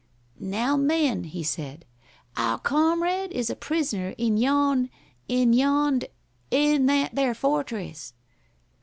"Now, men," he said, "our comrade is a prisoner in yon in yond in that there fortress.